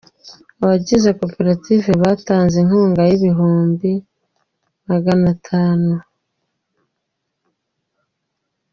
Abagize Koperative batanze inkunga y’ibihumbi maganatanu